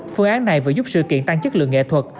phương án này vừa giúp sự kiện tăng chất lượng nghệ thuật